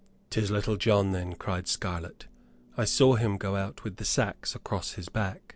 "'Tis Little John, then," cried Scarlett; "I saw him go out with the sacks across his back."